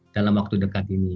dalam waktu dekat ini